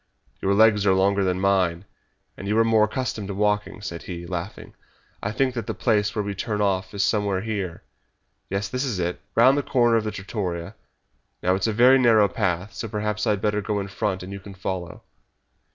"Your legs are longer than mine, and you are more accustomed to walking," said he, laughing. "I think that the place where we turn off is somewhere here. Yes, this is it, round the corner of the trattoria. Now, it is a very narrow path, so perhaps I had better go in front and you can follow."